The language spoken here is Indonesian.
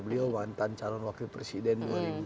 beliau mantan calon wakil presiden dua ribu dua puluh